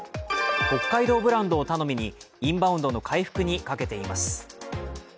北海道ブランドを頼みにインバウンドの回復にかけています。